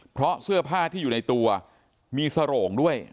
เพราะเสื้อผ้าที่อยู่ในตัวมีสโรงด้วย